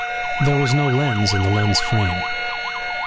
There was no lens in the lens frame.